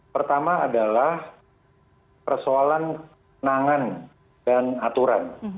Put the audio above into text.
pertama adalah persoalan kenangan dan aturan